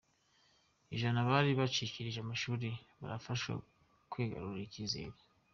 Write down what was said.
ijana bari baracikirije amashuri barafashwa kwigarurira icyizere